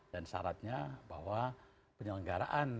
dan syaratnya bahwa penyelenggaraan